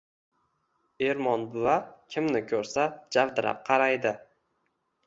Ermon buva kimni ko‘rsa javdirab qaraydi.